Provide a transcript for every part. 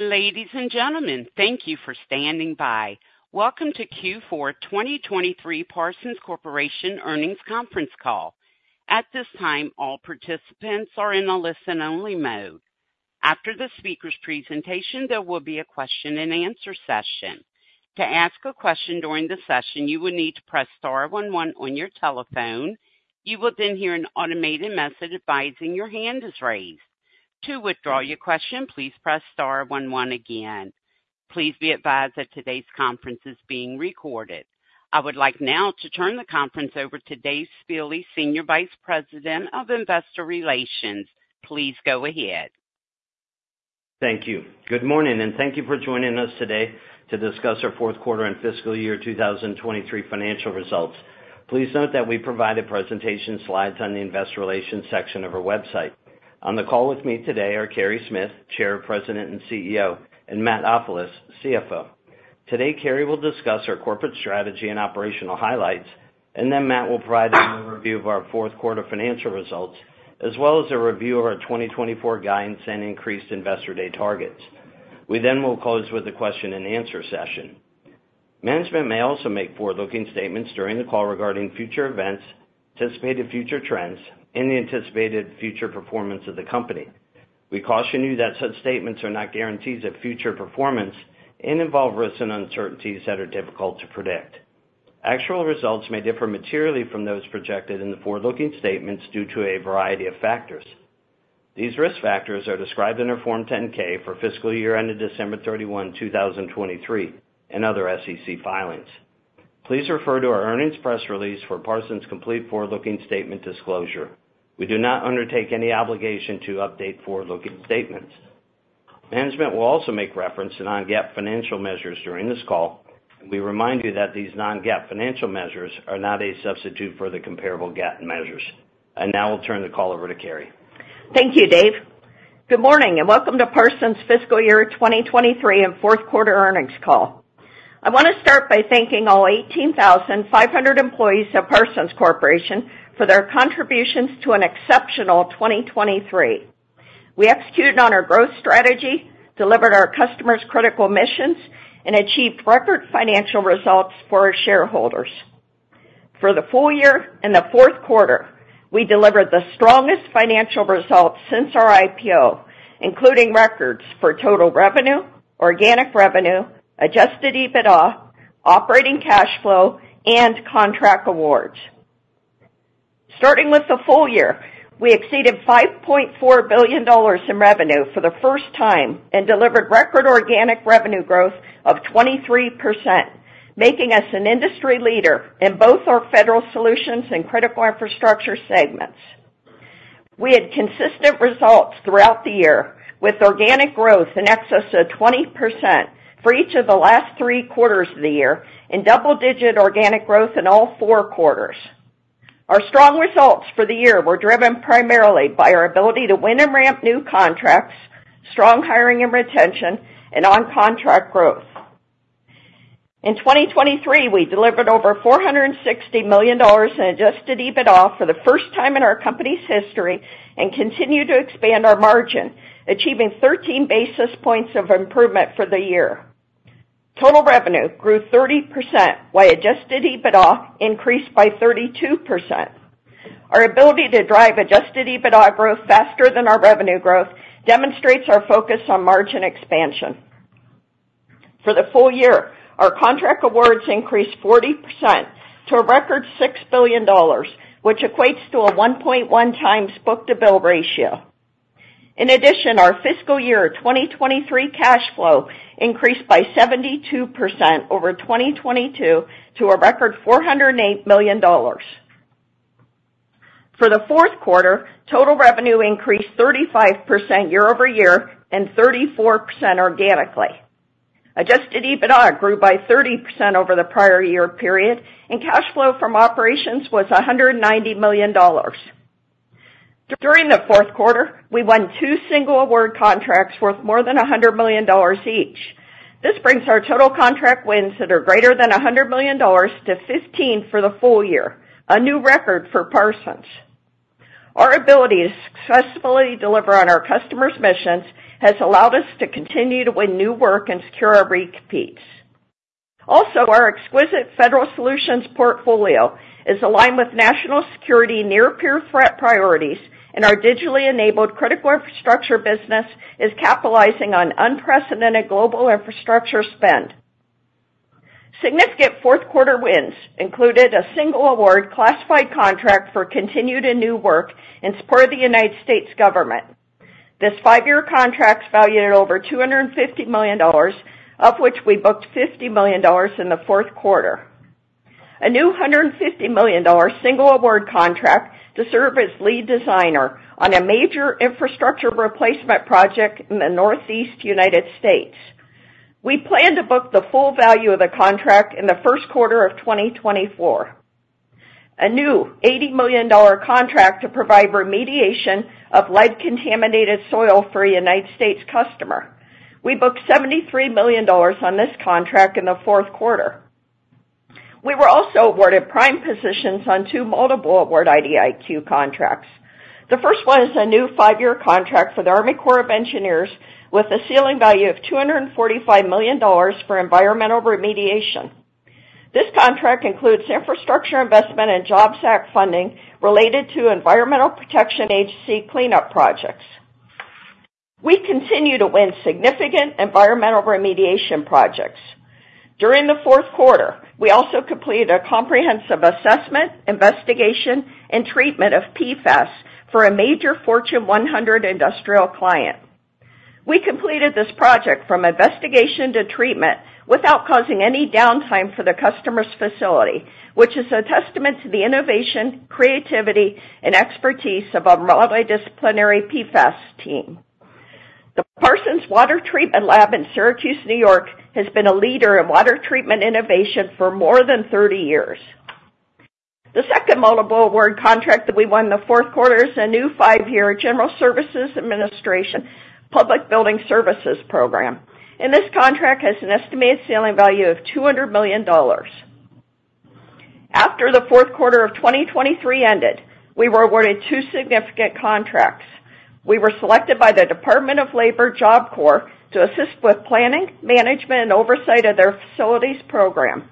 Ladies and gentlemen, thank you for standing by. Welcome to Q4 2023 Parsons Corporation Earnings Conference Call. At this time, all participants are in a listen-only mode. After the speaker's presentation, there will be a question and answer session. To ask a question during the session, you will need to press star one one on your telephone. You will then hear an automated message advising your hand is raised. To withdraw your question, please press star one one again. Please be advised that today's conference is being recorded. I would like now to turn the conference over to Dave Spille, Senior Vice President, Investor Relations. Please go ahead. Thank you. Good morning, and thank you for joining us today to discuss our Fourth Quarter And Fiscal Year 2023 Financial Results. Please note that we provide presentation slides on the investor relations section of our website. On the call with me today are Carey Smith, Chair, President, and CEO, and Matt Ofilos, CFO. Today, Carey will discuss our corporate strategy and operational highlights, and then Matt will provide an overview of our fourth quarter financial results, as well as a review of our 2024 guidance and increased Investor Day targets. We then will close with a question and answer session. Management may also make forward-looking statements during the call regarding future events, anticipated future trends, and the anticipated future performance of the company. We caution you that such statements are not guarantees of future performance and involve risks and uncertainties that are difficult to predict. Actual results may differ materially from those projected in the forward-looking statements due to a variety of factors. These risk factors are described in our Form 10-K for fiscal year ended December 31, 2023, and other SEC filings. Please refer to our earnings press release for Parsons' complete forward-looking statement disclosure. We do not undertake any obligation to update forward-looking statements. Management will also make reference to non-GAAP financial measures during this call, and we remind you that these non-GAAP financial measures are not a substitute for the comparable GAAP measures. And now I'll turn the call over to Carey. Thank you, Dave. Good morning, and welcome to Parsons' Fiscal Year 2023 And Fourth Quarter Earnings Call. I want to start by thanking all 18,500 employees of Parsons Corporation for their contributions to an exceptional 2023. We executed on our growth strategy, delivered our customers' critical missions, and achieved record financial results for our shareholders. For the full year and the fourth quarter, we delivered the strongest financial results since our IPO, including records for total revenue, organic revenue, Adjusted EBITDA, operating cash flow, and contract awards. Starting with the full year, we exceeded $5.4 billion in revenue for the first time and delivered record organic revenue growth of 23%, making us an industry leader in both our federal solutions and critical infrastructure segments. We had consistent results throughout the year, with organic growth in excess of 20% for each of the last three quarters of the year, and double-digit organic growth in all four quarters. Our strong results for the year were driven primarily by our ability to win and ramp new contracts, strong hiring and retention, and on-contract growth. In 2023, we delivered over $460 million in adjusted EBITDA for the first time in our company's history and continued to expand our margin, achieving 13 basis points of improvement for the year. Total revenue grew 30%, while adjusted EBITDA increased by 32%. Our ability to drive adjusted EBITDA growth faster than our revenue growth demonstrates our focus on margin expansion. For the full year, our contract awards increased 40% to a record $6 billion, which equates to a 1.1x book-to-bill ratio. In addition, our fiscal year 2023 cash flow increased by 72% over 2022 to a record $408 million. For the fourth quarter, total revenue increased 35% year-over-year and 34% organically. Adjusted EBITDA grew by 30% over the prior year period, and cash flow from operations was $190 million. During the fourth quarter, we won two single award contracts worth more than $100 million each. This brings our total contract wins that are greater than $100 million to 15 for the full year, a new record for Parsons.Our ability to successfully deliver on our customers' missions has allowed us to continue to win new work and secure our repeats. Also, our exquisite federal solutions portfolio is aligned with national security near-peer threat priorities, and our digitally enabled critical infrastructure business is capitalizing on unprecedented global infrastructure spend. Significant fourth quarter wins included a single award classified contract for continued and new work in support of the United States government. This five year contract is valued at over $250 million, of which we booked $50 million in the fourth quarter. A new $150 million single award contract to serve as lead designer on a major infrastructure replacement project in the Northeast United States. We plan to book the full value of the contract in the first quarter of 2024. A new $80 million contract to provide remediation of lead-contaminated soil for a United States customer. We booked $73 million on this contract in the fourth quarter. We were also awarded prime positions on two multiple award IDIQ contracts. The first one is a new five-year contract for the US Army Corps of Engineers, with a ceiling value of $245 million for environmental remediation. This contract includes Infrastructure Investment and Jobs Act funding related to Environmental Protection Agency cleanup projects. We continue to win significant environmental remediation projects. During the fourth quarter, we also completed a comprehensive assessment, investigation, and treatment of PFAS for a major Fortune 100 industrial client. We completed this project from investigation to treatment without causing any downtime for the customer's facility, which is a testament to the innovation, creativity, and expertise of our multidisciplinary PFAS team. The Parsons Water Treatment Lab in Syracuse, New York, has been a leader in water treatment innovation for more than 30 years. The second multiple award contract that we won in the fourth quarter is a new five-year General Services Administration Public Building Services program, and this contract has an estimated ceiling value of $200 million. After the fourth quarter of 2023 ended, we were awarded two significant contracts. We were selected by the Department of Labor Job Corps to assist with planning, management, and oversight of their facilities program.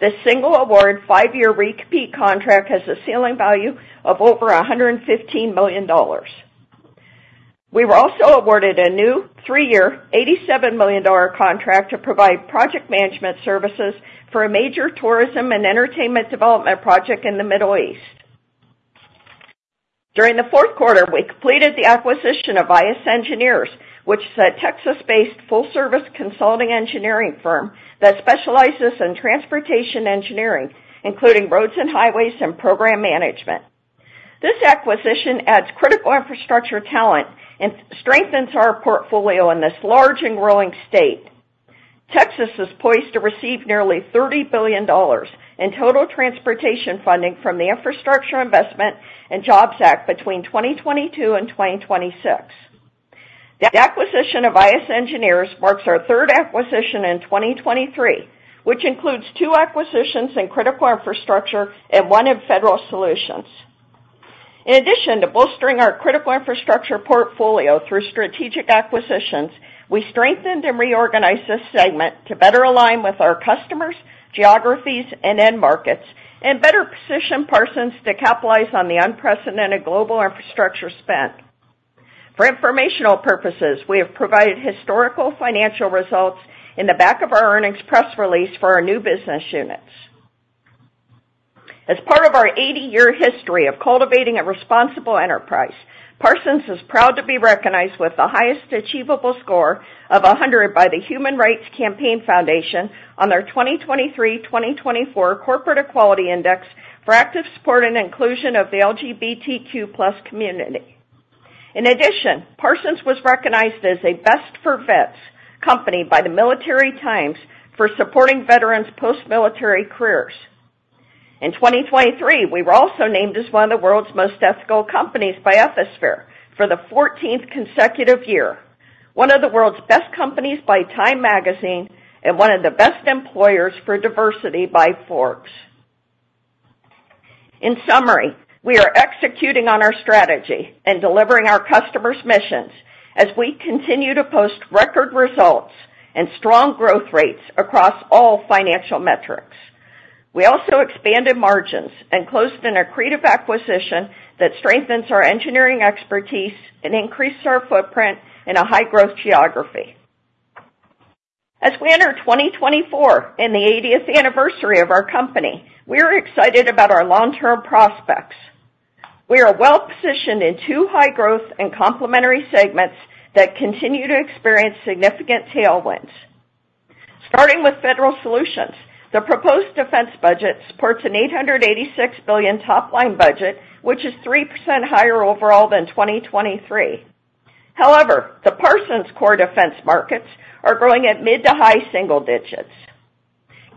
This single award, five-year repeat contract, has a ceiling value of over $115 million. We were also awarded a new three-year, $87 million dollar contract to provide project management services for a major tourism and entertainment development project in the Middle East.During the fourth quarter, we completed the acquisition of I.S. Engineers, which is a Texas-based full-service consulting engineering firm that specializes in transportation engineering, including roads and highways, and program management. This acquisition adds critical infrastructure talent and strengthens our portfolio in this large and growing state. Texas is poised to receive nearly $30 billion in total transportation funding from the Infrastructure Investment and Jobs Act between 2022 and 2026. The acquisition of I.S. Engineers marks our third acquisition in 2023, which includes two acquisitions in critical infrastructure and one in federal solutions. In addition to bolstering our critical infrastructure portfolio through strategic acquisitions, we strengthened and reorganized this segment to better align with our customers, geographies, and end markets, and better position Parsons to capitalize on the unprecedented global infrastructure spend. For informational purposes, we have provided historical financial results in the back of our earnings press release for our new business units. As part of our 80-year history of cultivating a responsible enterprise, Parsons is proud to be recognized with the highest achievable score of 100 by the Human Rights Campaign Foundation on their 2023/2024 Corporate Equality Index for active support and inclusion of the LGBTQ plus community. In addition, Parsons was recognized as a Best for Vets company by the Military Times for supporting veterans' post-military careers. In 2023, we were also named as one of the world's most ethical companies by Ethisphere for the 14th consecutive year, one of the world's best companies by Time Magazine, and one of the best employers for diversity by Forbes.In summary, we are executing on our strategy and delivering our customers' missions as we continue to post record results and strong growth rates across all financial metrics. We also expanded margins and closed an accretive acquisition that strengthens our engineering expertise and increases our footprint in a high-growth geography. As we enter 2024 and the 80th anniversary of our company, we are excited about our long-term prospects. We are well-positioned in two high-growth and complementary segments that continue to experience significant tailwinds. Starting with federal solutions, the proposed defense budget supports an $886 billion top-line budget, which is 3% higher overall than 2023. However, the Parsons core defense markets are growing at mid- to high-single digits.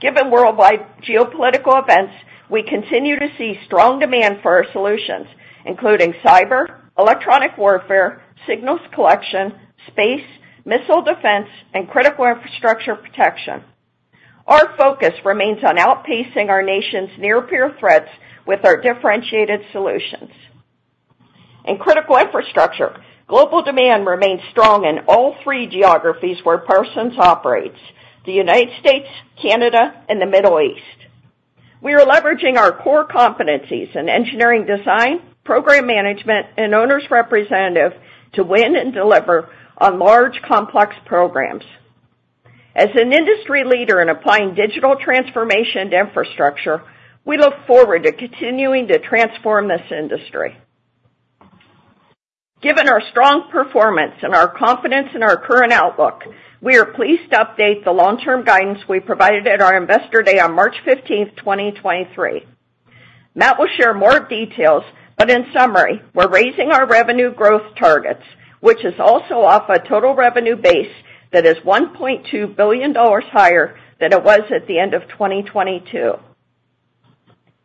Given worldwide geopolitical events, we continue to see strong demand for our solutions, including cyber, electronic warfare, signals collection, space, missile defense, and critical infrastructure protection. Our focus remains on outpacing our nation's near-peer threats with our differentiated solutions. In critical infrastructure, global demand remains strong in all three geographies where Parsons operates: the United States, Canada, and the Middle East. We are leveraging our core competencies in engineering design, program management, and owner's representative to win and deliver on large, complex programs. As an industry leader in applying digital transformation to infrastructure, we look forward to continuing to transform this industry. Given our strong performance and our confidence in our current outlook, we are pleased to update the long-term guidance we provided at our Investor Day on March 15, 2023. Matt will share more details, but in summary, we're raising our revenue growth targets, which is also off a total revenue base that is $1.2 billion higher than it was at the end of 2022.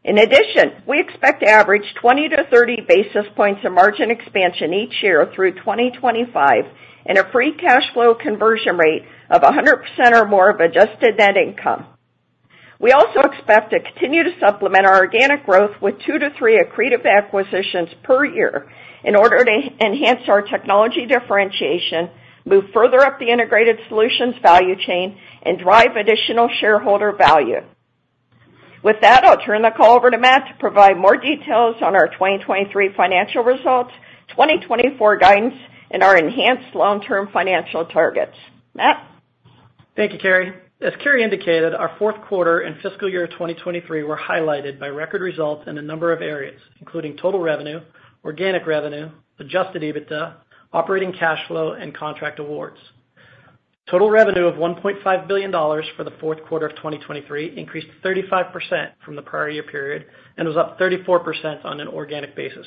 In addition, we expect to average 20-30 basis points of margin expansion each year through 2025, and a free cash flow conversion rate of 100% or more of adjusted net income. We also expect to continue to supplement our organic growth with 2-3 accretive acquisitions per year in order to enhance our technology differentiation, move further up the integrated solutions value chain, and drive additional shareholder value. With that, I'll turn the call over to Matt to provide more details on our 2023 financial results, 2024 guidance, and our enhanced long-term financial targets. Matt? Thank you, Carey. As Carey indicated, our fourth quarter and fiscal year 2023 were highlighted by record results in a number of areas, including total revenue, organic revenue, Adjusted EBITDA, operating cash flow, and contract awards. Total revenue of $1.5 billion for the fourth quarter of 2023 increased 35% from the prior year period and was up 34% on an organic basis.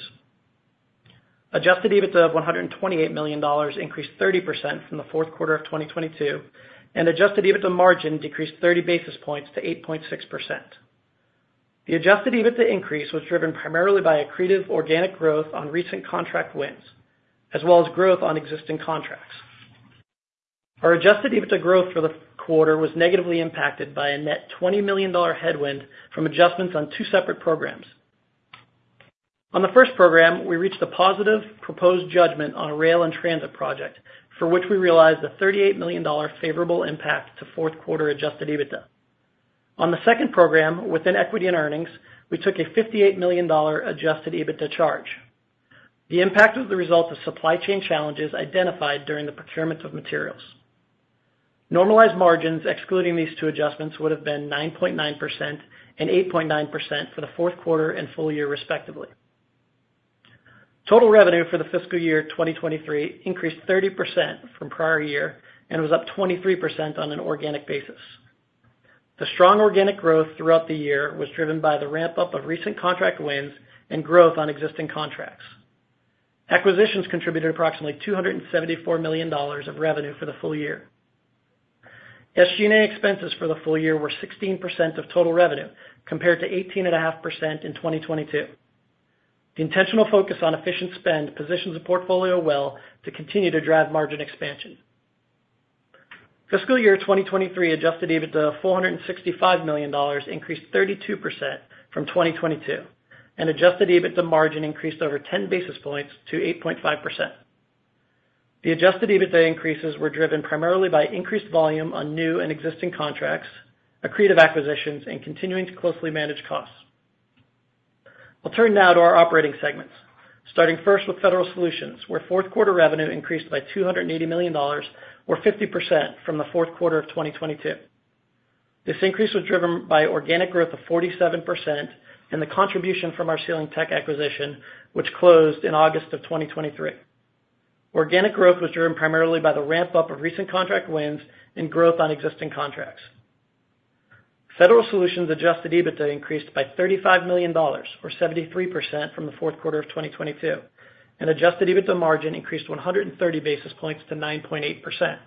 Adjusted EBITDA of $128 million increased 30% from the fourth quarter of 2022, and Adjusted EBITDA margin decreased 30 basis points to 8.6%. The Adjusted EBITDA increase was driven primarily by accretive organic growth on recent contract wins, as well as growth on existing contracts. Our Adjusted EBITDA growth for the quarter was negatively impacted by a net $20 million headwind from adjustments on two separate programs. On the first program, we reached a positive proposed judgment on a rail and transit project, for which we realized a $38 million favorable impact to fourth quarter Adjusted EBITDA. On the second program, within equity and earnings, we took a $58 million Adjusted EBITDA charge. The impact was the result of supply chain challenges identified during the procurement of materials. Normalized margins, excluding these two adjustments, would have been 9.9% and 8.9% for the fourth quarter and full year, respectively. Total revenue for the fiscal year 2023 increased 30% from prior year and was up 23% on an organic basis. The strong organic growth throughout the year was driven by the ramp-up of recent contract wins and growth on existing contracts. Acquisitions contributed approximately $274 million of revenue for the full year. SG&A expenses for the full year were 16% of total revenue, compared to 18.5% in 2022. The intentional focus on efficient spend positions the portfolio well to continue to drive margin expansion. Fiscal year 2023 adjusted EBITDA of $465 million increased 32% from 2022, and adjusted EBITDA margin increased over 10 basis points to 8.5%. The adjusted EBITDA increases were driven primarily by increased volume on new and existing contracts, accretive acquisitions, and continuing to closely manage costs. I'll turn now to our operating segments, starting first with Federal Solutions, where fourth quarter revenue increased by $280 million or 50% from the fourth quarter of 2022.This increase was driven by organic growth of 47% and the contribution from our SealingTech acquisition, which closed in August of 2023. Organic growth was driven primarily by the ramp-up of recent contract wins and growth on existing contracts. Federal Solutions' Adjusted EBITDA increased by $35 million or 73% from the fourth quarter of 2022, and Adjusted EBITDA margin increased 130 basis points to 9.8%.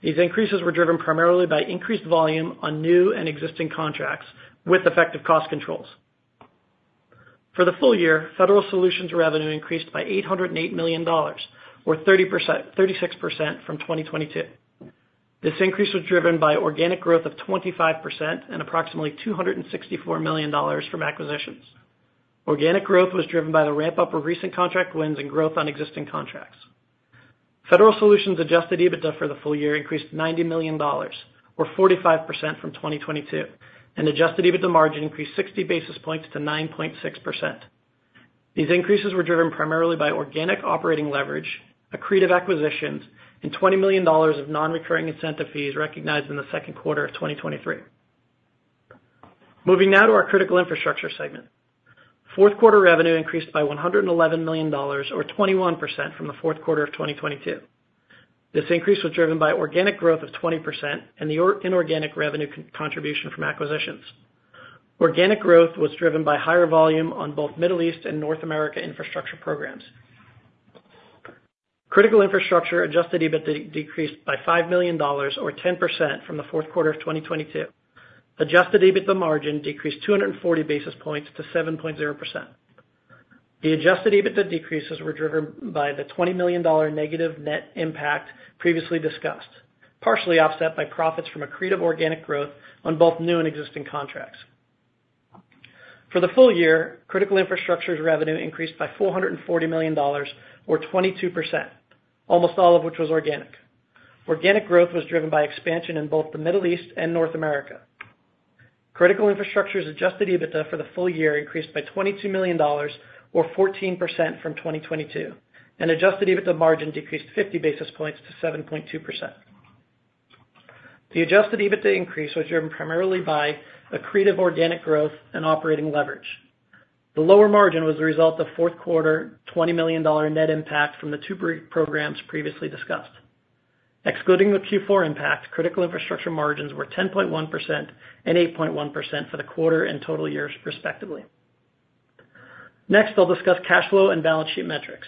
These increases were driven primarily by increased volume on new and existing contracts with effective cost controls. For the full year, Federal Solutions revenue increased by $808 million, or 30%-36% from 2022. This increase was driven by organic growth of 25% and approximately $264 million from acquisitions. Organic growth was driven by the ramp-up of recent contract wins and growth on existing contracts. Federal Solutions' adjusted EBITDA for the full year increased $90 million, or 45% from 2022, and adjusted EBITDA margin increased 60 basis points to 9.6%. These increases were driven primarily by organic operating leverage, accretive acquisitions, and $20 million of non-recurring incentive fees recognized in the second quarter of 2023. Moving now to our Critical Infrastructure segment. Fourth quarter revenue increased by $111 million, or 21% from the fourth quarter of 2022. This increase was driven by organic growth of 20% and the inorganic revenue contribution from acquisitions. Organic growth was driven by higher volume on both Middle East and North America infrastructure programs. Critical Infrastructure Adjusted EBITDA decreased by $5 million, or 10% from the fourth quarter of 2022. Adjusted EBITDA margin decreased 240 basis points to 7.0%. The Adjusted EBITDA decreases were driven by the $20 million negative net impact previously discussed, partially offset by profits from accretive organic growth on both new and existing contracts. For the full year, Critical Infrastructure's revenue increased by $440 million or 22%, almost all of which was organic. Organic growth was driven by expansion in both the Middle East and North America. Critical Infrastructure's Adjusted EBITDA for the full year increased by $22 million or 14% from 2022, and Adjusted EBITDA margin decreased 50 basis points to 7.2%. The Adjusted EBITDA increase was driven primarily by accretive organic growth and operating leverage. The lower margin was the result of fourth quarter $20 million net impact from the two brief programs previously discussed. Excluding the Q4 impact, Critical Infrastructure margins were 10.1% and 8.1% for the quarter and total years, respectively. Next, I'll discuss cash flow and balance sheet metrics.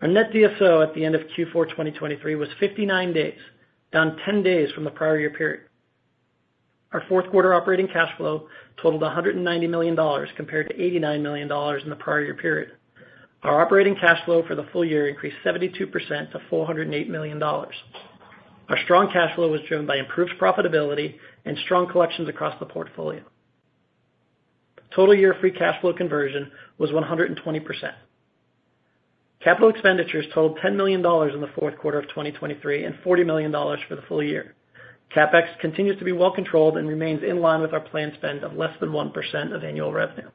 Our net DSO at the end of Q4 2023 was 59 days, down 10 days from the prior year period. Our fourth quarter operating cash flow totaled $190 million, compared to $89 million in the prior year period. Our operating cash flow for the full year increased 72% to $408 million. Our strong cash flow was driven by improved profitability and strong collections across the portfolio. Total year free cash flow conversion was 120%.Capital expenditures totaled $10 million in the fourth quarter of 2023, and $40 million for the full year. CapEx continues to be well controlled and remains in line with our planned spend of less than 1% of annual revenue.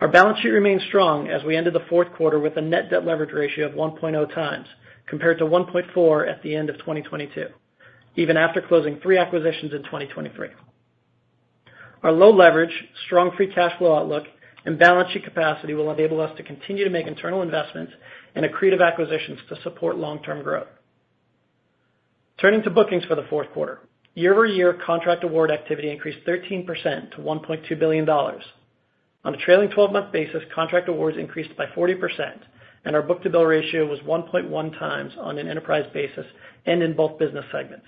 Our balance sheet remains strong as we ended the fourth quarter with a net debt leverage ratio of 1.0x, compared to 1.4x at the end of 2022, even after closing three acquisitions in 2023. Our low leverage, strong free cash flow outlook, and balance sheet capacity will enable us to continue to make internal investments and accretive acquisitions to support long-term growth. Turning to bookings for the fourth quarter. Year-over-year contract award activity increased 13% to $1.2 billion. On a trailing 12-month basis, contract awards increased by 40%, and our book-to-bill ratio was 1.1x on an enterprise basis and in both business segments.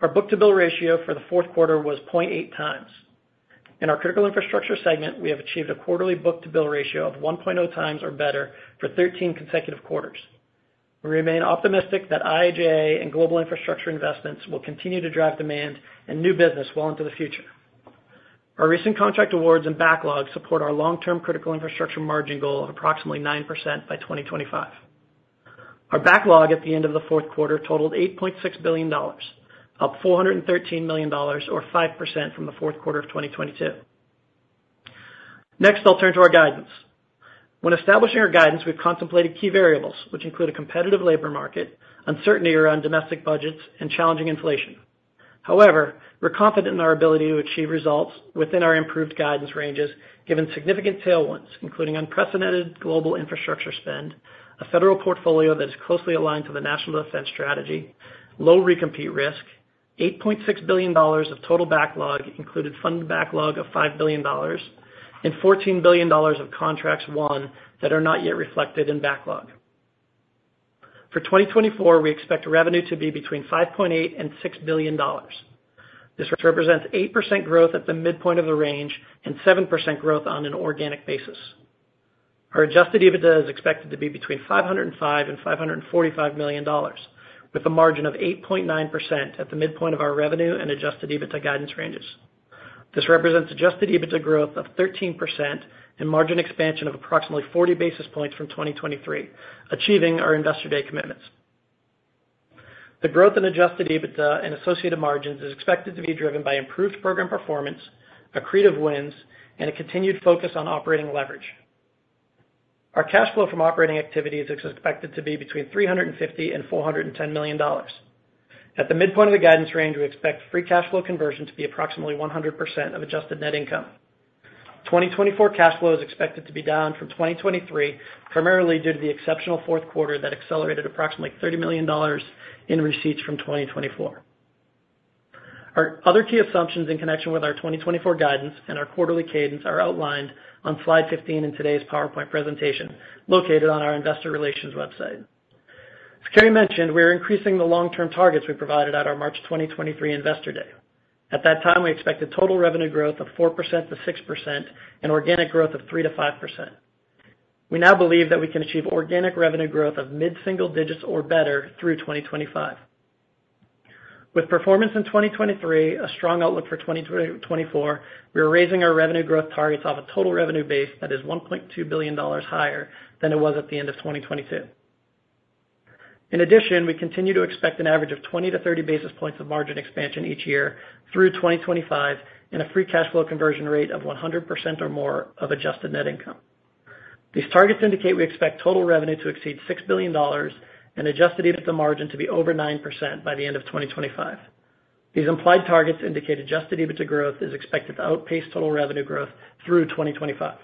Our book-to-bill ratio for the fourth quarter was 0.8x. In our critical infrastructure segment, we have achieved a quarterly book-to-bill ratio of 1.0x or better for 13 consecutive quarters. We remain optimistic that IIJA and global infrastructure investments will continue to drive demand and new business well into the future. Our recent contract awards and backlogs support our long-term critical infrastructure margin goal of approximately 9% by 2025. Our backlog at the end of the fourth quarter totaled $8.6 billion, up $413 million or 5% from the fourth quarter of 2022. Next, I'll turn to our guidance. When establishing our guidance, we've contemplated key variables, which include a competitive labor market, uncertainty around domestic budgets, and challenging inflation. However, we're confident in our ability to achieve results within our improved guidance ranges, given significant tailwinds, including unprecedented global infrastructure spend, a federal portfolio that is closely aligned to the National Defense Strategy, low re-compete risk, $8.6 billion of total backlog, including funded backlog of $5 billion, and $14 billion of contracts won that are not yet reflected in backlog. For 2024, we expect revenue to be between $5.8 billion and $6 billion. This represents 8% growth at the midpoint of the range and 7% growth on an organic basis. Our adjusted EBITDA is expected to be between $505 million and $545 million, with a margin of 8.9% at the midpoint of our revenue and adjusted EBITDA guidance ranges. This represents adjusted EBITDA growth of 13% and margin expansion of approximately 40 basis points from 2023, achieving our Investor Day commitments. The growth in adjusted EBITDA and associated margins is expected to be driven by improved program performance, accretive wins, and a continued focus on operating leverage. Our cash flow from operating activities is expected to be between $350 million and $410 million. At the midpoint of the guidance range, we expect free cash flow conversion to be approximately 100% of adjusted net income. 2024 cash flow is expected to be down from 2023, primarily due to the exceptional fourth quarter that accelerated approximately $30 million in receipts from 2024. Our other key assumptions in connection with our 2024 guidance and our quarterly cadence are outlined on slide 15 in today's PowerPoint presentation, located on our investor relations website. As Carey mentioned, we are increasing the long-term targets we provided at our March 2023 Investor Day. At that time, we expected total revenue growth of 4%-6% and organic growth of 3%-5%. We now believe that we can achieve organic revenue growth of mid-single digits or better through 2025.With performance in 2023, a strong outlook for 2024, we are raising our revenue growth targets off a total revenue base that is $1.2 billion higher than it was at the end of 2022. In addition, we continue to expect an average of 20-30 basis points of margin expansion each year through 2025, and a free cash flow conversion rate of 100% or more of adjusted net income. These targets indicate we expect total revenue to exceed $6 billion and Adjusted EBITDA margin to be over 9% by the end of 2025. These implied targets indicate Adjusted EBITDA growth is expected to outpace total revenue growth through 2025.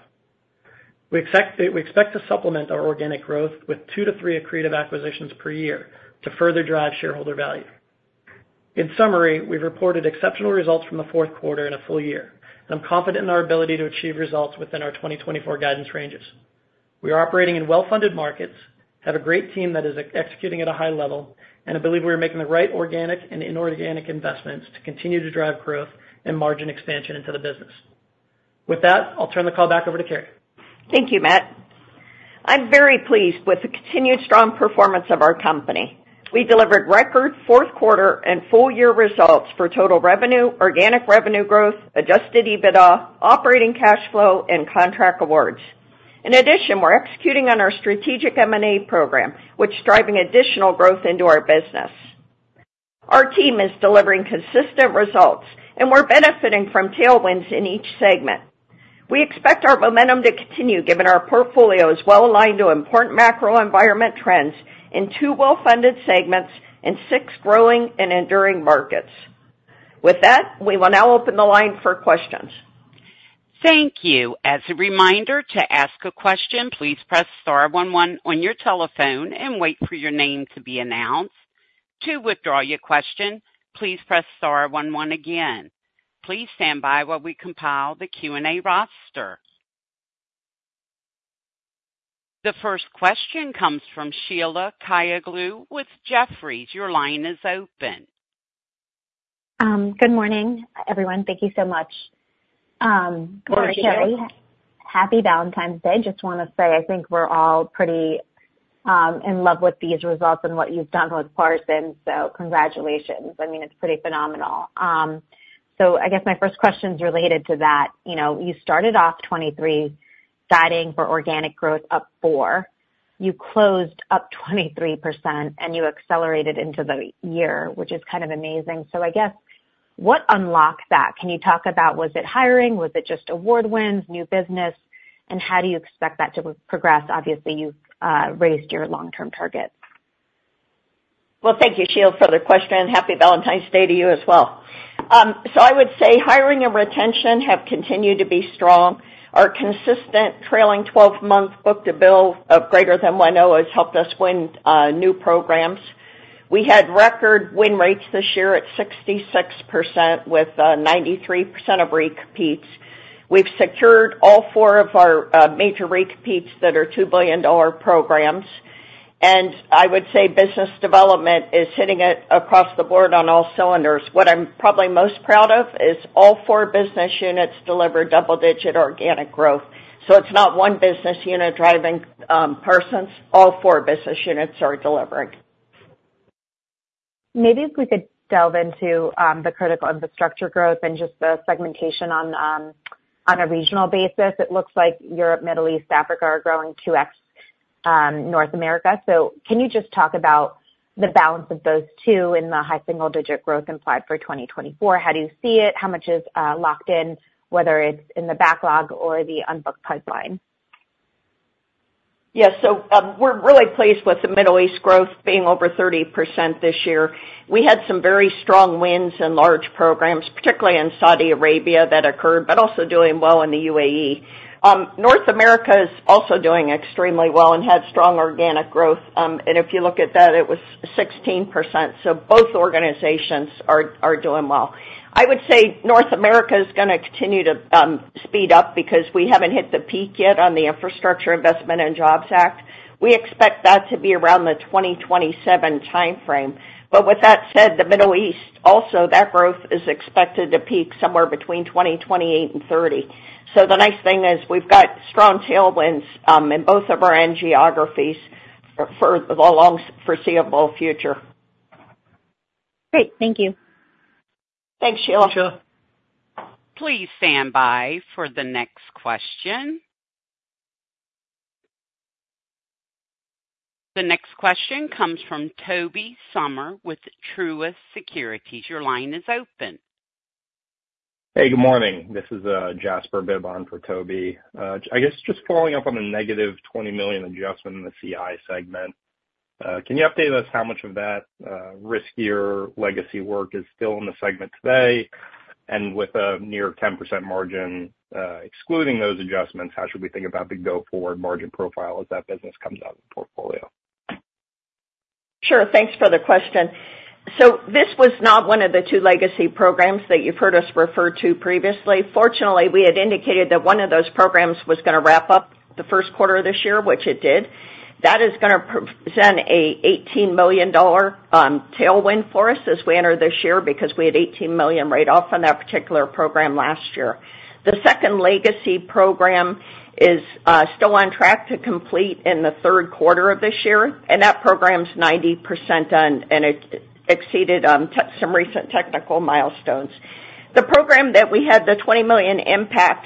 We expect to supplement our organic growth with 2-3 accretive acquisitions per year to further drive shareholder value.In summary, we've reported exceptional results from the fourth quarter and a full year, and I'm confident in our ability to achieve results within our 2024 guidance ranges. We are operating in well-funded markets, have a great team that is executing at a high level, and I believe we are making the right organic and inorganic investments to continue to drive growth and margin expansion into the business. With that, I'll turn the call back over to Carey. Thank you, Matt. I'm very pleased with the continued strong performance of our company. We delivered record fourth quarter and full-year results for total revenue, organic revenue growth, Adjusted EBITDA, operating cash flow, and contract awards. In addition, we're executing on our strategic M&A program, which is driving additional growth into our business. Our team is delivering consistent results, and we're benefiting from tailwinds in each segment. We expect our momentum to continue, given our portfolio is well aligned to important macro environment trends in two well-funded segments and six growing and enduring markets. With that, we will now open the line for questions. Thank you. As a reminder to ask a question, please press star one one on your telephone and wait for your name to be announced.... To withdraw your question, please press star one one again. Please stand by while we compile the Q&A roster. The first question comes from Sheila Kahyaoglu with Jefferies. Your line is open. Good morning, everyone. Thank you so much. Happy Valentine's Day. Just want to say I think we're all pretty in love with these results and what you've done with Parsons, so congratulations. I mean, it's pretty phenomenal. So I guess my first question is related to that. You know, you started off 2023 guiding for organic growth up 4%. You closed up 23%, and you accelerated into the year, which is kind of amazing. So I guess, what unlocked that? Can you talk about was it hiring? Was it just award wins, new business, and how do you expect that to progress? Obviously, you've raised your long-term target. Well, thank you, Sheila, for the question, and happy Valentine's Day to you as well. So I would say hiring and retention have continued to be strong. Our consistent trailing 12-month book-to-bill of greater than 1.0 has helped us win new programs. We had record win rates this year at 66%, with 93% of repeats. We've secured all four of our major repeats that are $2 billion programs, and I would say business development is hitting it across the board on all cylinders. What I'm probably most proud of is all four business units delivered double-digit organic growth, so it's not one business unit driving Parsons. All four business units are delivering. Maybe if we could delve into the critical infrastructure growth and just the segmentation on, on a regional basis. It looks like Europe, Middle East, Africa are growing 2x, North America. So can you just talk about the balance of those two in the high single-digit growth implied for 2024? How do you see it? How much is locked in, whether it's in the backlog or the unbooked pipeline? Yes. So, we're really pleased with the Middle East growth being over 30% this year. We had some very strong wins in large programs, particularly in Saudi Arabia, that occurred, but also doing well in the UAE. North America is also doing extremely well and had strong organic growth. And if you look at that, it was 16%, so both organizations are, are doing well. I would say North America is gonna continue to, speed up because we haven't hit the peak yet on the Infrastructure Investment and Jobs Act. We expect that to be around the 2027 timeframe. But with that said, the Middle East also, that growth is expected to peak somewhere between 2028 and 2030. So the nice thing is we've got strong tailwinds, in both of our end geographies for the long foreseeable future. Great. Thank you. Thanks, Sheila. Please stand by for the next question. The next question comes from Toby Sommer with Truist Securities. Your line is open. Hey, good morning. This is Jasper Bibb for Toby. I guess just following up on the -$20 million adjustment in the CI segment, can you update us how much of that riskier legacy work is still in the segment today? And with a near 10% margin, excluding those adjustments, how should we think about the go-forward margin profile as that business comes out of the portfolio? Sure. Thanks for the question. So this was not one of the two legacy programs that you've heard us refer to previously. Fortunately, we had indicated that one of those programs was gonna wrap up the first quarter of this year, which it did. That is gonna present an $18 million tailwind for us as we enter this year, because we had $18 million write-off on that particular program last year. The second legacy program is still on track to complete in the third quarter of this year, and that program is 90% done, and it exceeded some recent technical milestones. The program that we had, the $20 million impact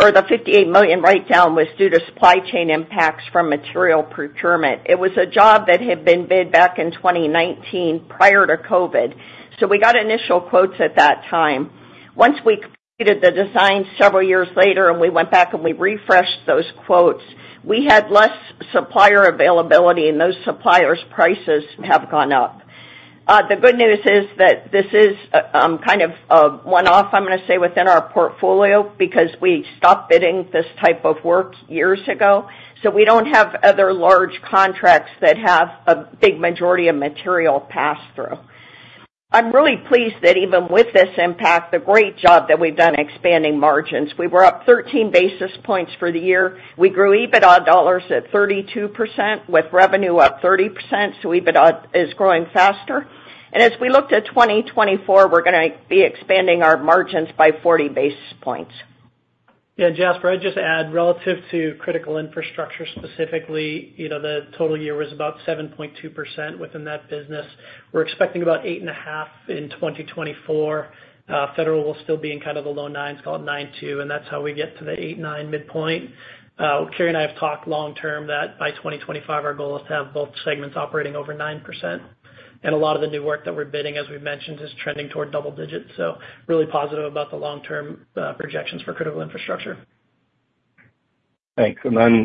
or the $58 million write-down, was due to supply chain impacts from material procurement.It was a job that had been bid back in 2019, prior to COVID, so we got initial quotes at that time. Once we completed the design several years later, and we went back and we refreshed those quotes, we had less supplier availability, and those suppliers' prices have gone up. The good news is that this is kind of one-off, I'm gonna say, within our portfolio, because we stopped bidding this type of work years ago, so we don't have other large contracts that have a big majority of material pass-through. I'm really pleased that even with this impact, the great job that we've done expanding margins. We were up 13 basis points for the year. We grew EBITDA dollars at 32%, with revenue up 30%, so EBITDA is growing faster. As we look to 2024, we're gonna be expanding our margins by 40 basis points. Yeah, Jasper, I'd just add, relative to critical infrastructure specifically, you know, the total year was about 7.2% within that business. We're expecting about 8.5 in 2024. Federal will still be in kind of the low nines, called 9.2, and that's how we get to the eight/nine midpoint. Carey and I have talked long term that by 2025, our goal is to have both segments operating over 9%. And a lot of the new work that we're bidding, as we've mentioned, is trending toward double digits. So really positive about the long-term projections for critical infrastructure. Thanks. And then,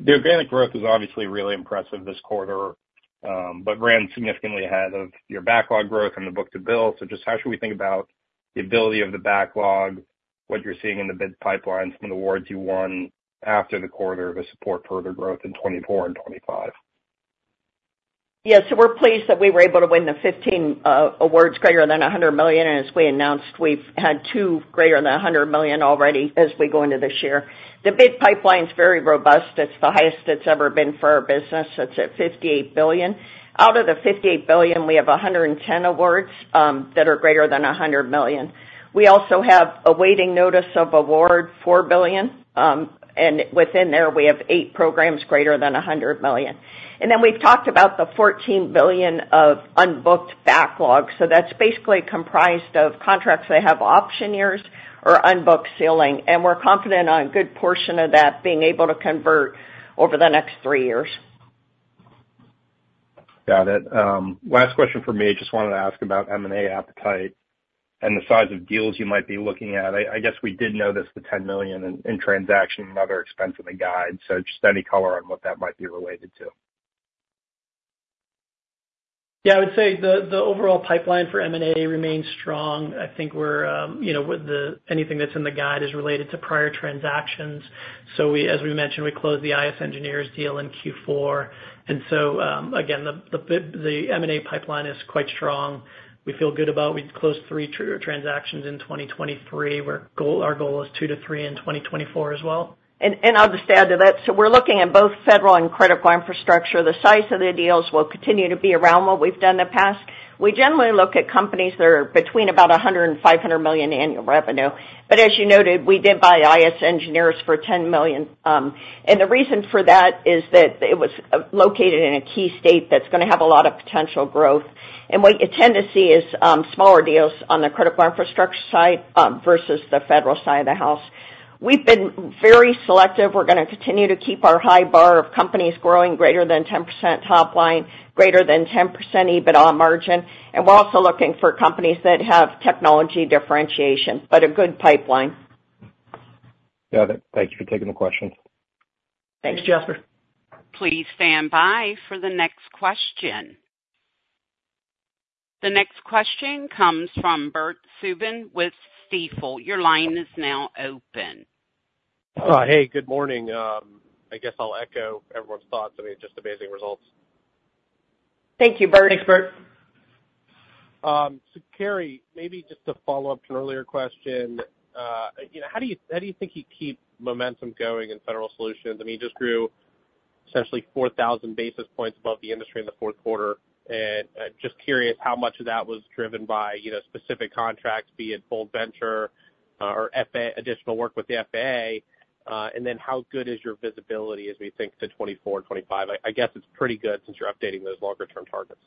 the organic growth is obviously really impressive this quarter, but ran significantly ahead of your backlog growth and the book-to-bill. So just how should we think about the ability of the backlog?... what you're seeing in the bid pipeline from the awards you won after the quarter to support further growth in 2024 and 2025? Yes, so we're pleased that we were able to win the 15 awards greater than $100 million, and as we announced, we've had two greater than $100 million already as we go into this year. The bid pipeline's very robust. It's the highest it's ever been for our business. It's at $58 billion. Out of the $58 billion, we have 110 awards that are greater than $100 million. We also have a waiting notice of award, $4 billion, and within there, we have 8 programs greater than $100 million. And then we've talked about the $14 billion of unbooked backlog. So that's basically comprised of contracts that have option years or unbooked ceiling, and we're confident on a good portion of that being able to convert over the next three years. Got it. Last question for me. Just wanted to ask about M&A appetite and the size of deals you might be looking at. I guess we did notice the $10 million in transaction and other expense in the guide. So just any color on what that might be related to? Yeah, I would say the overall pipeline for M&A remains strong. I think we're, you know, anything that's in the guide is related to prior transactions. So as we mentioned, we closed the I.S. Engineers deal in Q4. And so, again, the M&A pipeline is quite strong. We feel good about. We closed three trigger transactions in 2023. Our goal, our goal is 2-3 in 2024 as well. And I'll just add to that. So we're looking at both federal and critical infrastructure. The size of the deals will continue to be around what we've done in the past. We generally look at companies that are between about $100 million-$500 million annual revenue. But as you noted, we did buy I.S. Engineers for $10 million, and the reason for that is that it was located in a key state that's gonna have a lot of potential growth. And what you tend to see is smaller deals on the critical infrastructure side versus the federal side of the house. We've been very selective. We're gonna continue to keep our high bar of companies growing greater than 10% top line, greater than 10% EBITDA margin, and we're also looking for companies that have technology differentiation, but a good pipeline. Got it. Thank you for taking the question. Thanks, Jasper. Please stand by for the next question. The next question comes from Bert Subin with Stifel. Your line is now open. Hey, good morning. I guess I'll echo everyone's thoughts. I mean, just amazing results. Thank you, Bert. Thanks, Bert. So, Carey, maybe just to follow up to an earlier question, you know, how do you, how do you think you keep momentum going in federal solutions? I mean, you just grew essentially 4,000 basis points above the industry in the fourth quarter. And just curious how much of that was driven by, you know, specific contracts, be it Bold Venture, or FAA additional work with the FAA, and then how good is your visibility as we think to 2024 and 2025? I guess it's pretty good since you're updating those longer-term targets.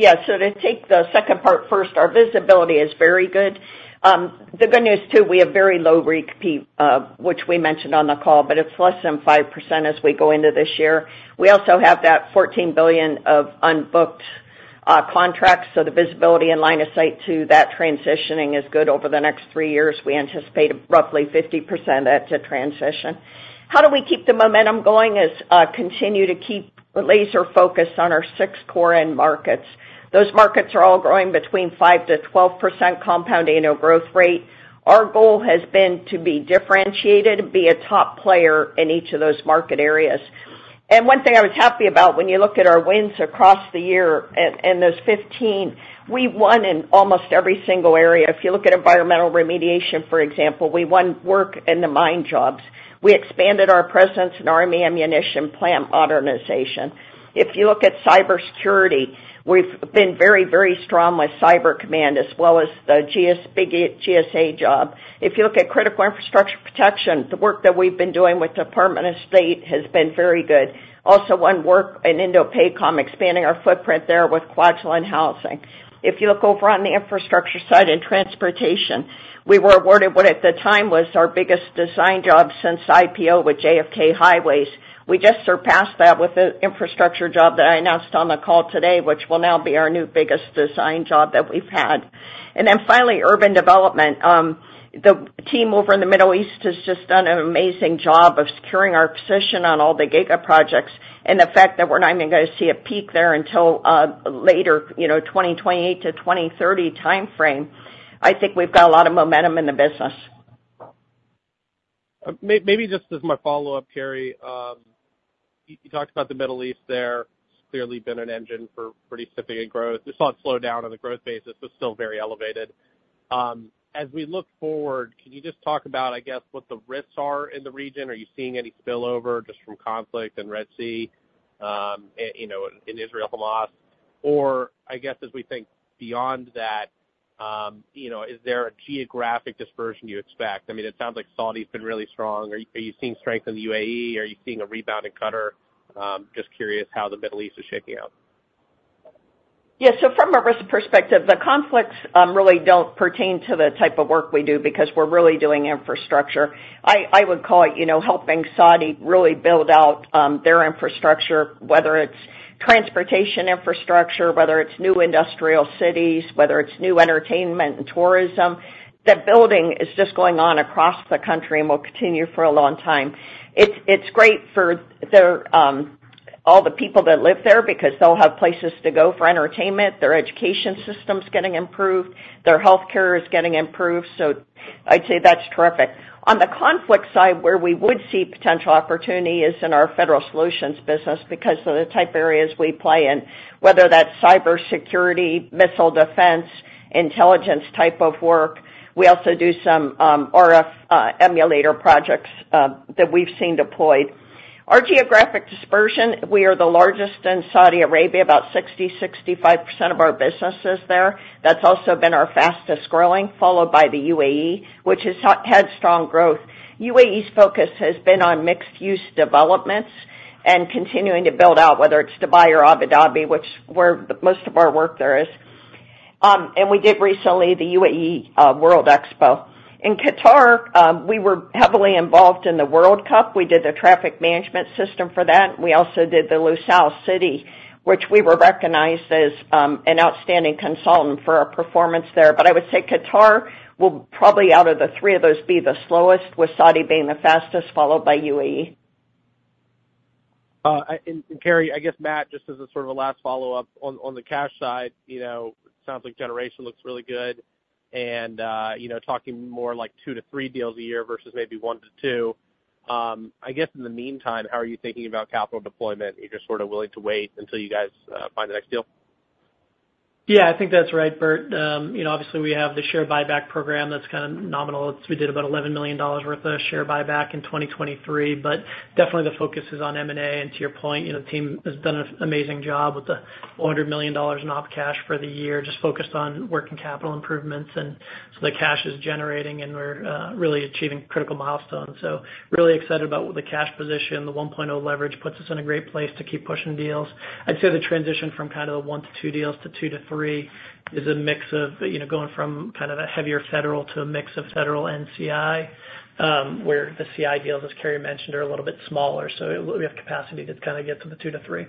Yeah, so to take the second part first, our visibility is very good. The good news, too, we have very low repeat, which we mentioned on the call, but it's less than 5% as we go into this year. We also have that $14 billion of unbooked contracts, so the visibility and line of sight to that transitioning is good over the next three years. We anticipate roughly 50% of that to transition. How do we keep the momentum going is, continue to keep laser focused on our six core end markets. Those markets are all growing between 5%-12% compound annual growth rate. Our goal has been to be differentiated, be a top player in each of those market areas. One thing I was happy about, when you look at our wins across the year and, and those 15, we won in almost every single area. If you look at environmental remediation, for example, we won work in the mine jobs. We expanded our presence in Army ammunition plant modernization. If you look at cybersecurity, we've been very, very strong with Cyber Command, as well as the GS, big GSA job. If you look at critical infrastructure protection, the work that we've been doing with Department of State has been very good. Also, one work in INDOPACOM, expanding our footprint there with Kwajalein housing. If you look over on the infrastructure side in transportation, we were awarded what at the time was our biggest design job since IPO with JFK Highways.We just surpassed that with the infrastructure job that I announced on the call today, which will now be our new biggest design job that we've had. And then finally, urban development. The team over in the Middle East has just done an amazing job of securing our position on all the giga projects, and the fact that we're not even gonna see a peak there until later, you know, 2028-2030 timeframe, I think we've got a lot of momentum in the business. Maybe just as my follow-up, Carey, you talked about the Middle East there. It's clearly been an engine for pretty significant growth. We saw it slow down on the growth basis, but still very elevated. As we look forward, can you just talk about, I guess, what the risks are in the region? Are you seeing any spillover just from conflict in Red Sea, and, you know, in Israel, Hamas? Or I guess as we think beyond that, you know, is there a geographic dispersion you expect? I mean, it sounds like Saudi's been really strong. Are you seeing strength in the UAE? Are you seeing a rebound in Qatar? Just curious how the Middle East is shaping up. Yeah, so from a risk perspective, the conflicts really don't pertain to the type of work we do because we're really doing infrastructure. I would call it, you know, helping Saudi really build out their infrastructure, whether it's transportation infrastructure, whether it's new industrial cities, whether it's new entertainment and tourism. The building is just going on across the country and will continue for a long time. It's great for their all the people that live there because they'll have places to go for entertainment, their education system's getting improved, their healthcare is getting improved. So I'd say that's terrific. On the conflict side, where we would see potential opportunity is in our federal solutions business because of the type areas we play in, whether that's cybersecurity, missile defense, intelligence type of work. We also do some RF emulator projects that we've seen deployed. Our geographic dispersion, we are the largest in Saudi Arabia, about 60%-65% of our business is there. That's also been our fastest-growing, followed by the UAE, which has had strong growth. UAE's focus has been on mixed-use developments and continuing to build out, whether it's Dubai or Abu Dhabi, where most of our work there is. And we did recently the UAE World Expo. In Qatar, we were heavily involved in the World Cup. We did the traffic management system for that. We also did the Lusail City, which we were recognized as an outstanding consultant for our performance there. But I would say Qatar will probably, out of the three of those, be the slowest, with Saudi being the fastest, followed by UAE. Carey, I guess, Matt, just as a sort of a last follow-up on the cash side, you know, sounds like generation looks really good and, you know, talking more like 2-3 deals a year versus maybe 1-2. I guess in the meantime, how are you thinking about capital deployment? Are you just sort of willing to wait until you guys find the next deal? Yeah, I think that's right, Bert. You know, obviously, we have the share buyback program that's kind of nominal. We did about $11 million worth of share buyback in 2023, but definitely the focus is on M&A. And to your point, you know, the team has done an amazing job with the $400 million in op cash for the year, just focused on working capital improvements. And so the cash is generating, and we're really achieving critical milestones. So really excited about the cash position. The 1.0 leverage puts us in a great place to keep pushing deals. I'd say the transition from kind of 1-2 deals to 2-3 is a mix of, you know, going from kind of a heavier federal to a mix of federal and CI, where the CI deals, as Carey mentioned, are a little bit smaller, so it, we have capacity to kind of get to the 2-3.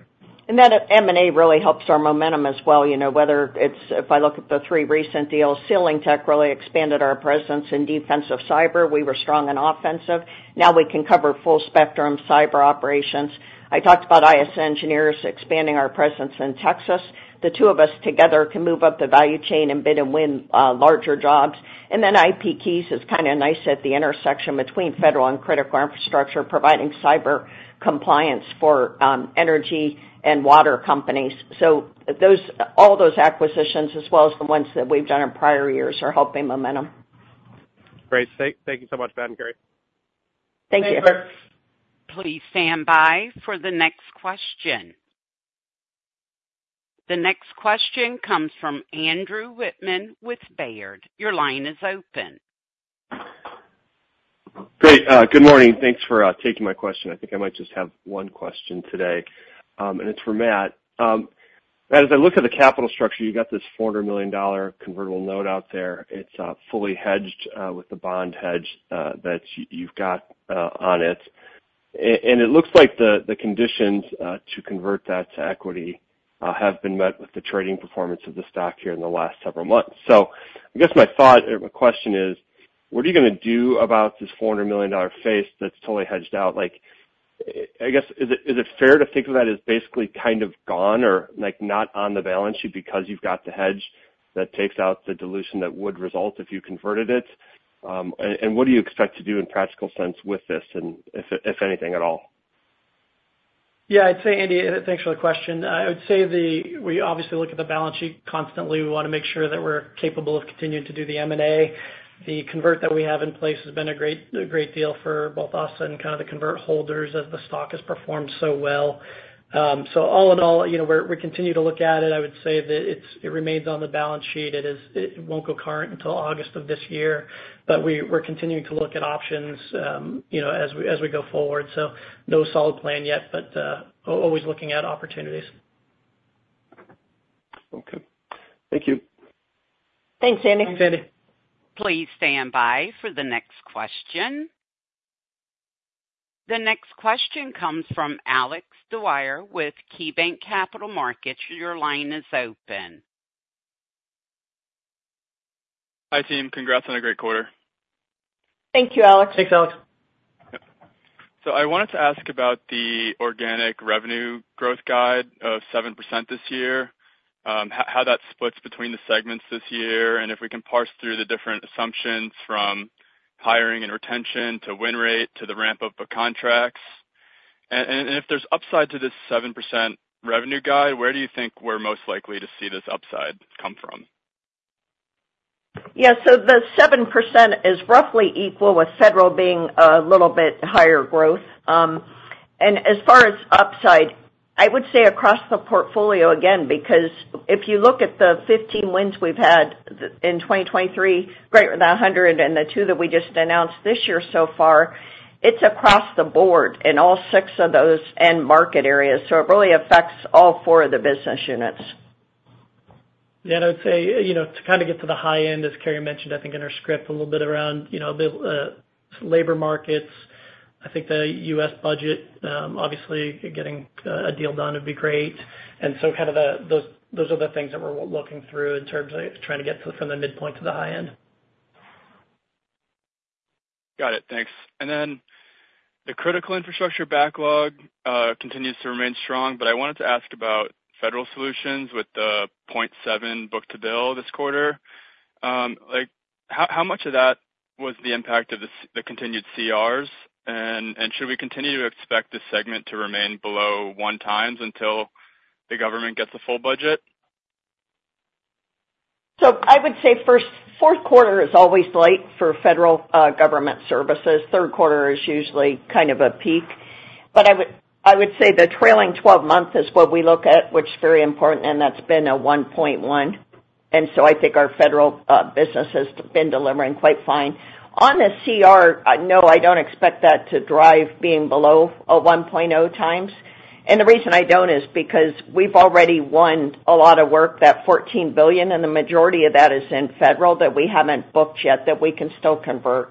That M&A really helps our momentum as well. You know, whether it's if I look at the three recent deals, SealingTech really expanded our presence in defensive cyber. We were strong in offensive. Now we can cover full spectrum cyber operations. I talked about I.S. Engineers expanding our presence in Texas. The two of us together can move up the value chain and bid and win larger jobs. And then IPKeys is kind of nice at the intersection between federal and critical infrastructure, providing cyber compliance for energy and water companies. So those, all those acquisitions, as well as the ones that we've done in prior years, are helping momentum. Great. Thank you so much, Matt and Carey. Thank you. Thanks, Bert. Please stand by for the next question. The next question comes from Andrew Wittmann with Baird. Your line is open. Great. Good morning. Thanks for taking my question. I think I might just have one question today, and it's for Matt. Matt, as I look at the capital structure, you've got this $400 million convertible note out there. It's fully hedged with the bond hedge that you've got on it. And it looks like the conditions to convert that to equity have been met with the trading performance of the stock here in the last several months. So I guess my thought or my question is, what are you gonna do about this $400 million face that's totally hedged out? Like, I guess, is it fair to think of that as basically kind of gone or, like, not on the balance sheet because you've got the hedge that takes out the dilution that would result if you converted it? What do you expect to do in practical sense with this, and if anything at all? Yeah, I'd say, Andy, thanks for the question. I would say we obviously look at the balance sheet constantly. We want to make sure that we're capable of continuing to do the M&A. The convert that we have in place has been a great, a great deal for both us and kind of the convert holders, as the stock has performed so well. So all in all, you know, we continue to look at it. I would say that it remains on the balance sheet. It won't go current until August of this year, but we're continuing to look at options, you know, as we, as we go forward. So no solid plan yet, but always looking at opportunities. Okay. Thank you. Thanks, Andy. Thanks, Andy. Please stand by for the next question. The next question comes from Alex Dwyer with KeyBanc Capital Markets. Your line is open. Hi, team. Congrats on a great quarter. Thank you, Alex. Thanks, Alex. Yep. So I wanted to ask about the organic revenue growth guide of 7% this year, how that splits between the segments this year, and if we can parse through the different assumptions from hiring and retention to win rate to the ramp-up of contracts. And if there's upside to this 7% revenue guide, where do you think we're most likely to see this upside come from? Yeah, so the 7% is roughly equal, with federal being a little bit higher growth. And as far as upside, I would say across the portfolio again, because if you look at the 15 wins we've had in 2023, right, the 102 that we just announced this year so far, it's across the board in all six of those end market areas, so it really affects all four of the business units. Yeah, and I'd say, you know, to kind of get to the high end, as Carey mentioned, I think in our script a little bit around, you know, the labor markets. I think the US budget, obviously getting a deal done would be great. And so kind of those are the things that we're looking through in terms of trying to get to from the midpoint to the high end. Got it. Thanks. And then the critical infrastructure backlog continues to remain strong, but I wanted to ask about federal solutions with the 0.7 book-to-bill this quarter. Like, how much of that was the impact of the continued CRs? And should we continue to expect this segment to remain below 1x until the government gets a full budget? So I would say first, fourth quarter is always late for federal government services. Third quarter is usually kind of a peak, but I would, I would say the trailing twelve month is what we look at, which is very important, and that's been a 1.1. And so I think our federal business has been delivering quite fine. On the CR, no, I don't expect that to drive being below a 1.0x. And the reason I don't is because we've already won a lot of work, that $14 billion, and the majority of that is in federal, that we haven't booked yet, that we can still convert.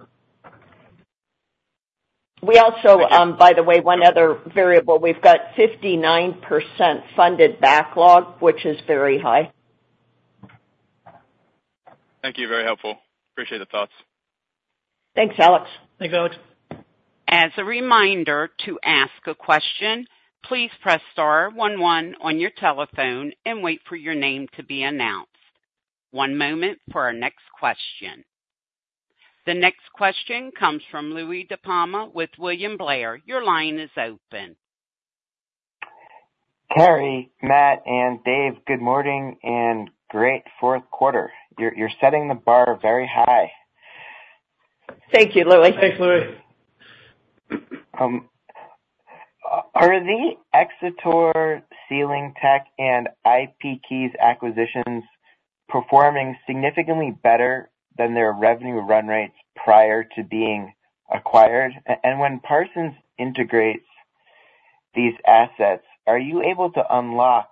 We also, by the way, one other variable, we've got 59% funded backlog, which is very high. Thank you. Very helpful. Appreciate the thoughts. Thanks, Alex. Thanks, Alex. As a reminder, to ask a question, please press star one one on your telephone and wait for your name to be announced. One moment for our next question. The next question comes from Louie DiPalma with William Blair. Your line is open. Carey, Matt, and Dave, good morning and great fourth quarter. You're setting the bar very high. Thank you, Louie. Thanks, Louie. Are the Xator, SealingTech, and IPKeys acquisitions performing significantly better than their revenue run rates prior to being acquired, and when Parsons integrates these assets, are you able to unlock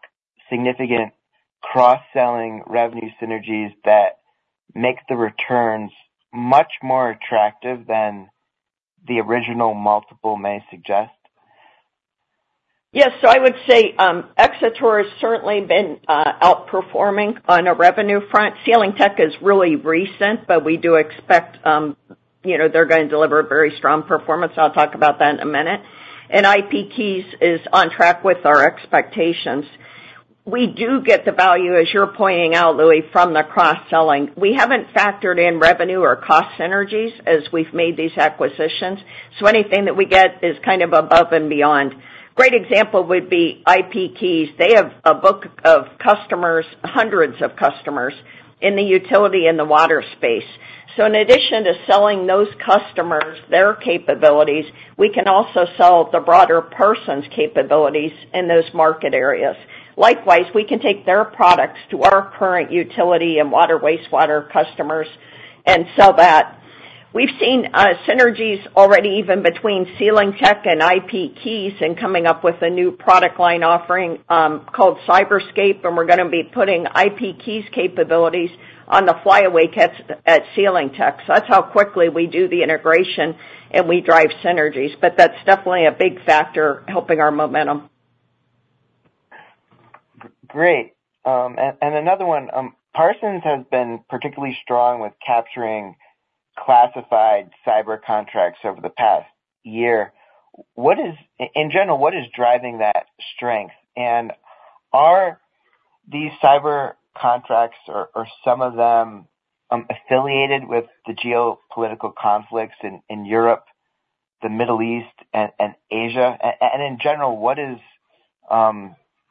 significant cross-selling revenue synergies that make the returns much more attractive than the original multiple may suggest? Yes. So I would say, our sector has certainly been outperforming on a revenue front. SealingTech is really recent, but we do expect, you know, they're going to deliver a very strong performance. I'll talk about that in a minute. And IPKeys is on track with our expectations. We do get the value, as you're pointing out, Louie, from the cross-selling. We haven't factored in revenue or cost synergies as we've made these acquisitions, so anything that we get is kind of above and beyond. Great example would be IPKeys. They have a book of customers, hundreds of customers, in the utility and the water space. So in addition to selling those customers their capabilities, we can also sell the broader Parsons capabilities in those market areas. Likewise, we can take their products to our current utility and water wastewater customers and sell that. We've seen synergies already, even between SealingTech and IPKeys, in coming up with a new product line offering, called Cyberzcape, and we're gonna be putting IPKeys capabilities on the flyaway kits at SealingTech. So that's how quickly we do the integration and we drive synergies, but that's definitely a big factor helping our momentum. Great. And another one. Parsons has been particularly strong with capturing classified cyber contracts over the past year. In general, what is driving that strength? And are these cyber contracts or some of them affiliated with the geopolitical conflicts in Europe, the Middle East, and Asia? And in general, what is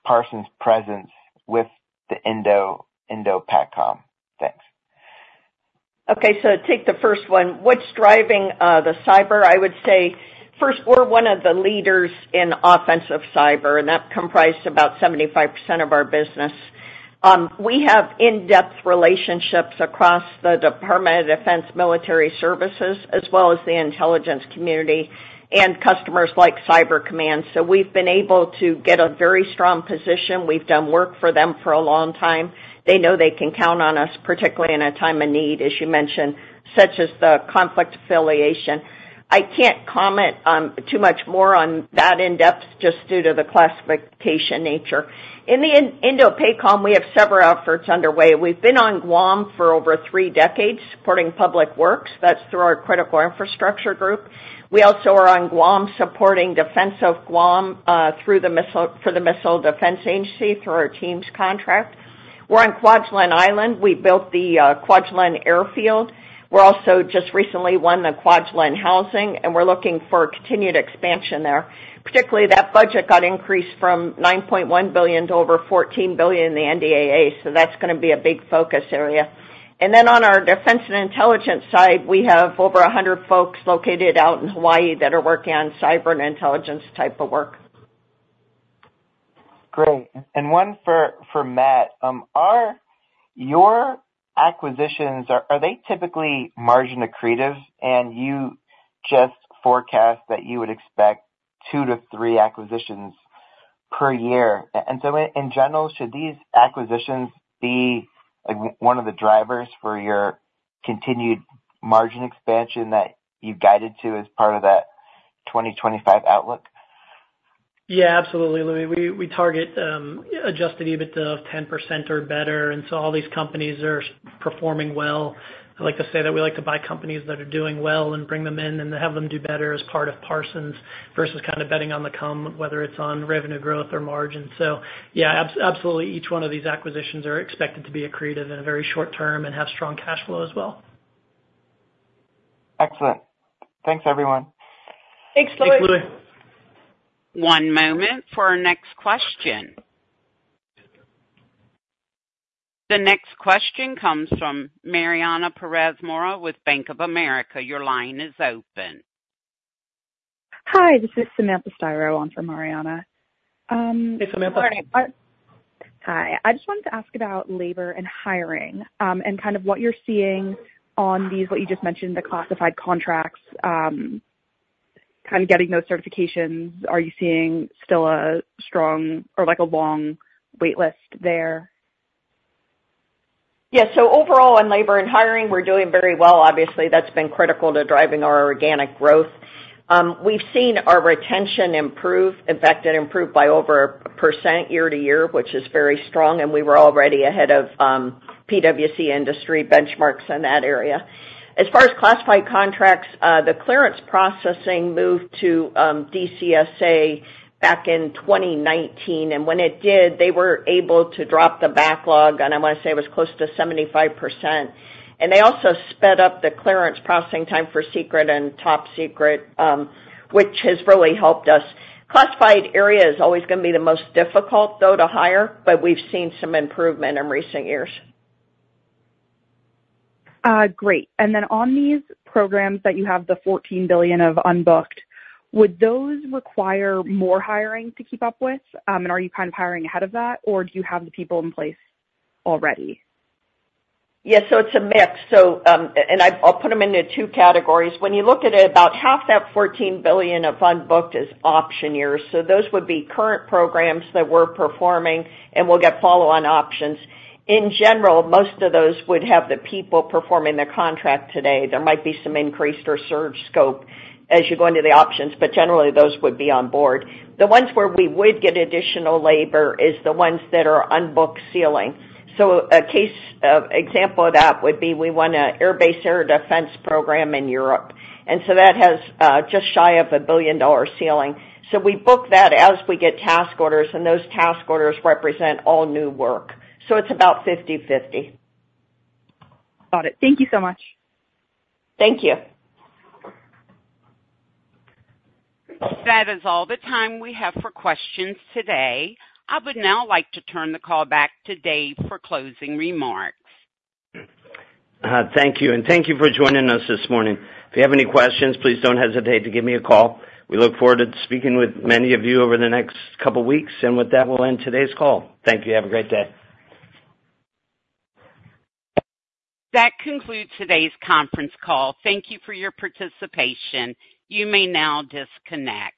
Parsons' presence with the INDOPACOM? Thanks. Okay, so take the first one. What's driving the cyber? I would say, first, we're one of the leaders in offensive cyber, and that comprised about 75% of our business. We have in-depth relationships across the Department of Defense Military Services, as well as the intelligence community and customers like Cyber Command. So we've been able to get a very strong position. We've done work for them for a long time. They know they can count on us, particularly in a time of need, as you mentioned, such as the conflict affiliation. I can't comment on too much more on that in-depth, just due to the classification nature. In the INDOPACOM, we have several efforts underway. We've been on Guam for over three decades, supporting public works. That's through our critical infrastructure group. We also are on Guam, supporting defense of Guam through the Missile Defense Agency, through our TEAMS contract. We're on Kwajalein Island. We built the Kwajalein Airfield. We're also just recently won the Kwajalein housing, and we're looking for continued expansion there. Particularly, that budget got increased from $9.1 billion to over $14 billion in the NDAA, so that's gonna be a big focus area. And then on our defense and intelligence side, we have over 100 folks located out in Hawaii that are working on cyber and intelligence type of work. Great. And one for Matt. Are your acquisitions typically margin accretive and you just forecast that you would expect 2-3 acquisitions per year? And so in general, should these acquisitions be, like, one of the drivers for your continued margin expansion that you've guided to as part of that 2025 outlook? Yeah, absolutely, Louie. We target Adjusted EBITDA of 10% or better, and so all these companies are performing well. I'd like to say that we like to buy companies that are doing well and bring them in and have them do better as part of Parsons versus kind of betting on the come, whether it's on revenue growth or margin. So yeah, absolutely, each one of these acquisitions are expected to be accretive in a very short term and have strong cash flow as well. Excellent. Thanks, everyone. Thanks, Louie. One moment for our next question. The next question comes from Mariana Perez Mora with Bank of America. Your line is open. Hi, this is Samantha Styron on for Mariana. Hey, Samantha. Hi. I just wanted to ask about labor and hiring, and kind of what you're seeing on these, what you just mentioned, the classified contracts, kind of getting those certifications. Are you seeing still a strong or, like, a long wait list there? Yeah, so overall, in labor and hiring, we're doing very well. Obviously, that's been critical to driving our organic growth. We've seen our retention improve. In fact, it improved by over 1% year-over-year, which is very strong, and we were already ahead of PwC industry benchmarks in that area. As far as classified contracts, the clearance processing moved to DCSA back in 2019, and when it did, they were able to drop the backlog, and I want to say it was close to 75%. And they also sped up the clearance processing time for secret and top secret, which has really helped us. Classified area is always going to be the most difficult, though, to hire, but we've seen some improvement in recent years. Great. And then on these programs that you have the $14 billion of unbooked, would those require more hiring to keep up with? And are you kind of hiring ahead of that, or do you have the people in place already? Yeah, so it's a mix. So, and I'll put them into two categories. When you look at it, about half that $14 billion of unbooked is option years. So those would be current programs that we're performing, and we'll get follow-on options. In general, most of those would have the people performing the contract today. There might be some increased or surge scope as you go into the options, but generally, those would be on board. The ones where we would get additional labor is the ones that are unbooked ceiling. So a case example of that would be we won an air base air defense program in Europe, and so that has just shy of a $1 billion ceiling. So we book that as we get task orders, and those task orders represent all new work, so it's about 50/50. Got it. Thank you so much. Thank you. That is all the time we have for questions today. I would now like to turn the call back to Dave for closing remarks. Thank you, and thank you for joining us this morning. If you have any questions, please don't hesitate to give me a call. We look forward to speaking with many of you over the next couple weeks, and with that, we'll end today's call. Thank you. Have a great day. That concludes today's conference call. Thank you for your participation. You may now disconnect.